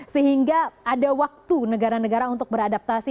sehingga ada waktu negara negara untuk beradaptasi